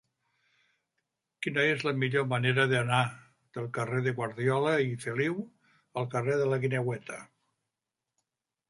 Quina és la millor manera d'anar del carrer de Guardiola i Feliu al carrer de la Guineueta?